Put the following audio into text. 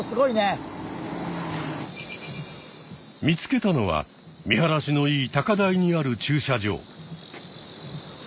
見つけたのは見晴らしのいい高台にある駐車場。